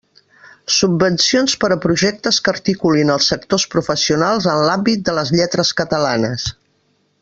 Subvencions per a projectes que articulin els sectors professionals en l'àmbit de les lletres catalanes.